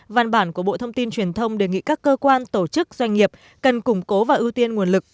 văn bản của bộ thông tin truyền thông đề nghị các cơ quan tổ chức doanh nghiệp cần củng cố và ưu tiên nguồn lực